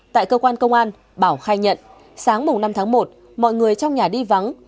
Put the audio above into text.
tại cơ quan công an bảo khai nhận sáng năm tháng một mọi người trong nhà đi vắng